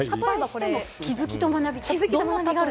気づきと学び。